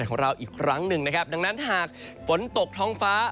ของเราอีกลั้งหนึ่งดังนั้นหากฝนตกท้องฟ้า